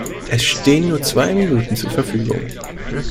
Es stehen nur zwei Minuten zur Verfügung.